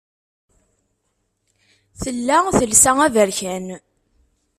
Tella telsa aberkan.